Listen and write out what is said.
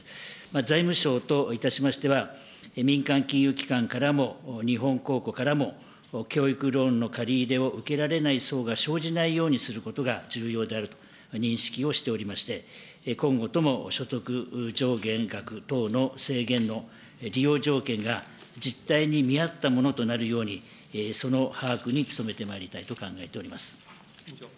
財務省といたしましては、民間金融機関からも日本公庫からも教育ローンの借り入れを受けられない層が生じないようにすることが重要であると認識をしておりまして、今後とも所得上限額等の制限の利用条件が実態に見合ったものとなるように、その把握に努めてまいりたいと考えております。